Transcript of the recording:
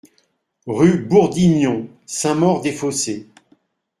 Rue Bourdignon, Saint-Maur-des-Fossés